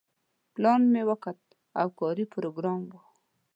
پلان مې وکوت او کاري پروګرام و.